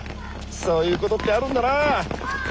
そういうことってあるんだなあ。